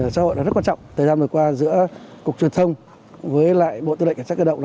xã hội rất quan trọng thời gian vừa qua giữa cục truyền thông với lại bộ tư lệnh cảnh sát cơ động